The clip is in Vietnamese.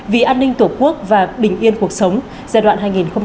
vì an ninh tổ quốc và bình yên cuộc sống giai đoạn hai nghìn hai mươi ba hai nghìn hai mươi năm